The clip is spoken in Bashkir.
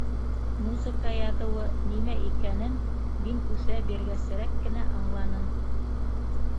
«Музыка яҙыуы» нимә икәнен мин үҫә биргәсерәк кенә аңланым.